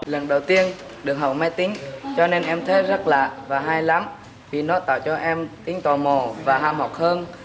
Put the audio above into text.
lần đầu tiên được học máy tính cho nên em thấy rất lạ và hay lắm vì nó tạo cho em tính tò mò và hàm học hơn